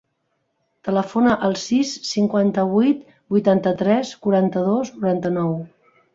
Telefona al sis, cinquanta-vuit, vuitanta-tres, quaranta-dos, noranta-nou.